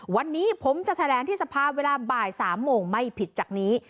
วันนี้ผมจะแถลงที่สภาเวลาบ่าย๓โมงไม่ผิดจากนี้